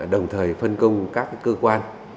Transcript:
đồng thời phân công các cơ quan